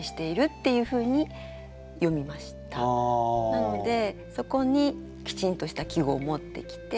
なのでそこにきちんとした季語を持ってきて。